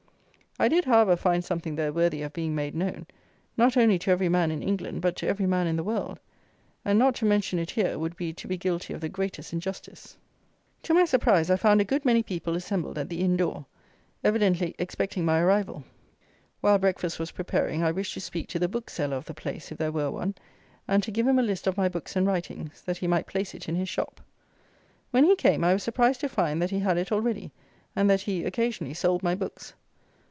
I did, however, find something there worthy of being made known, not only to every man in England but to every man in the world; and not to mention it here would be to be guilty of the greatest injustice. To my surprise I found a good many people assembled at the inn door, evidently expecting my arrival. While breakfast was preparing, I wished to speak to the bookseller of the place, if there were one, and to give him a list of my books and writings, that he might place it in his shop. When he came, I was surprised to find that he had it already, and that he, occasionally, sold my books.